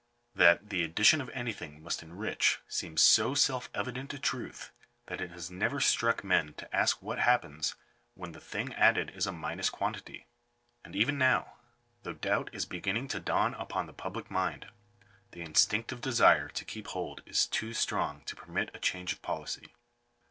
That the addition of anything must enrich seems qo self evident a truth, that it has never struck men to ask what happens when the thing added is a minus quantity. And even now, though doubt is beginning to dawn upon the public mind, the instinctive desire to keep hold is too strong to permit a change of policy.